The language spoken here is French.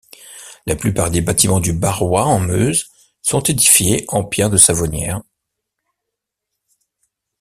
La plupart des bâtiments du Barrois en Meuse sont édifiés en pierre de Savonnières.